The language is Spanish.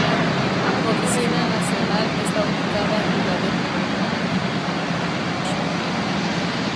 Su oficina nacional está ubicada en Filadelfia, donde nació Henry George.